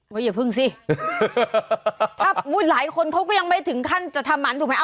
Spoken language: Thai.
อย่าพึ่งสิถ้าหลายคนเขาก็ยังไม่ถึงขั้นจะทำมันถูกไหม